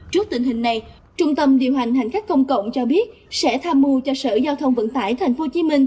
trước tình hình này trung tâm điều hành hành khách công cộng cho biết sẽ tham mưu cho sở giao thông vận tải tp hcm